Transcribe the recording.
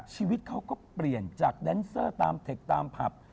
ชีวิตเขาก็เปลี่ยนจากแดนเซอร์ตามเทคตามผับ